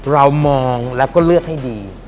เรามองแล้วก็เลือกให้ดี